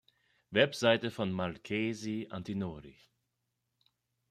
Webseite von Marchesi Antinori